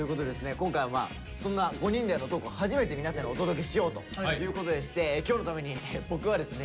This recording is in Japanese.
今回はまあそんな５人でのトークを初めて皆さんにお届けしようということでして今日のために僕はですね